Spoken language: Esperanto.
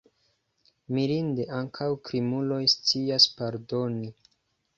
Mirinde, ankaŭ krimuloj scias pardoni!